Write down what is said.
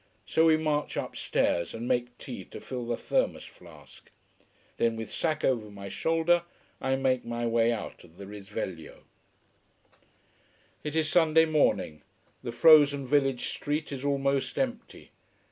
So we march upstairs and make tea to fill the thermos flask. Then, with sack over my shoulder, I make my way out of the Risveglio. It is Sunday morning. The frozen village street is almost empty.